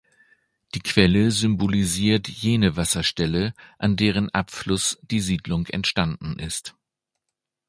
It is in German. Die Quelle symbolisiert jene Wasserstelle, an deren Abfluss die Siedlung entstanden ist.